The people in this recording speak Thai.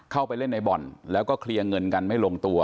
เข้าไปเล่นในบ่อนแล้วก็เคลียร์เงินกันไม่ลงตัว